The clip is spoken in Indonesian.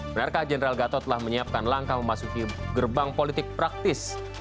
benarkah general gatot telah menyiapkan langkah memasuki gerbang politik praktis